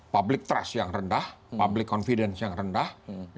public trust yang rendah public confidence yang rendah